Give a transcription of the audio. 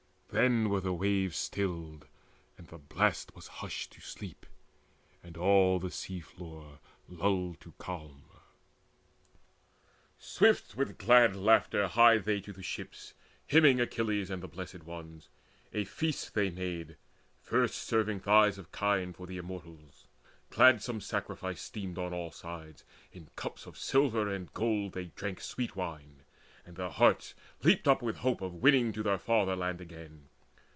Then were the waves stilled, and the blast was hushed To sleep, and all the sea flood lulled to calm. Swift with glad laughter hied they to the ships, Hymning Achilles and the Blessed Ones. A feast they made, first severing thighs of kine For the Immortals. Gladsome sacrifice Steamed on all sides: in cups of silver and gold They drank sweet wine: their hearts leaped up with hope Of winning to their fatherland again.